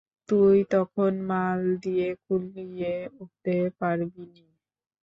তুই তখন মাল দিয়ে কুলিয়ে উঠতে পারবিনি।